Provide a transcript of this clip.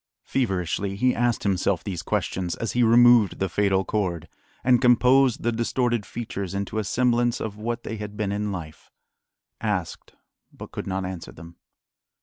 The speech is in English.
Feverishly he asked himself these questions as he removed the fatal cord, and composed the distorted features into a semblance of what they had been in life; asked, but could not answer them.